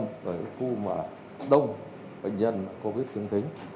gặp trong khu đông bệnh nhân covid chứng tính